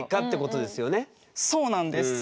そうなんです。